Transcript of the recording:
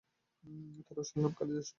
তাঁর আসল নাম কালিদাস চট্টোপাধ্যায়।